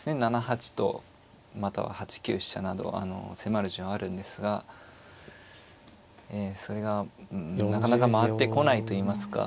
７八とまたは８九飛車などあの迫る順あるんですがそれがなかなか回ってこないといいますか。